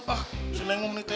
ah seneng om nitega